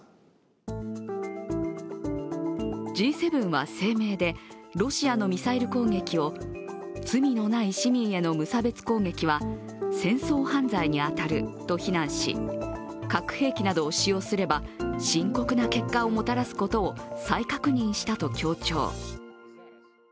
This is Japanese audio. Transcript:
Ｇ７は声明でロシアのミサイル攻撃を罪のない市民への無差別攻撃は戦争犯罪に当たると非難し、核兵器などを使用すれば、深刻な結果をもたらすことを再確認したと強調。